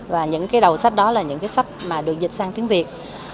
và những cái đầu sách đó là những cái sách mà được dịch sang tiếng việt